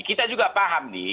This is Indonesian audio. kita juga paham nih